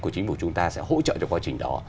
của chính phủ chúng ta sẽ hỗ trợ cho quá trình đó